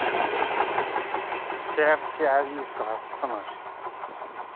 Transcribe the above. Sɛiɣ ttiɛad yid-s ɣef ttnac.